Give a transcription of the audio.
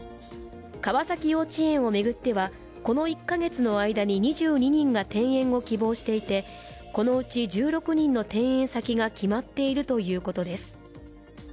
川崎幼稚園を巡っては、この１カ月の間に２２人が転園を希望していてこのうち１６人の転園先が決まっているということです。